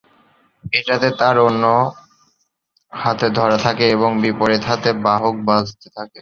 এটাতে তার অন্য হাতে ধরা থাকে এবং বিপরীত হাতে বাদক বাজাতে থাকে।